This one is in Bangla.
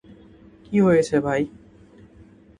কি হয়েছে ভাই?